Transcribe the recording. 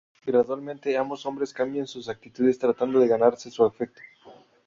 Gradualmente ambos hombres cambian sus actitudes tratando de ganarse su afecto.